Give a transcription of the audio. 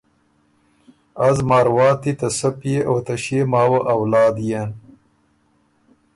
از مارواتی ته سۀ پئے او ته ݭيې ماوه اولاد يېن